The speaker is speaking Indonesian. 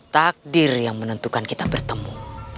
takdir yang menentukan kita bertemu